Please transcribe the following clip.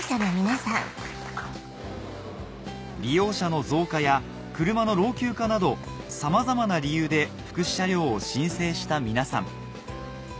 利用者の増加や車の老朽化などさまざまな理由で福祉車両を申請した皆さん